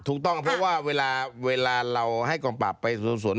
ถูกต้องเพราะว่าเวลาเราให้กองปราบไปสวน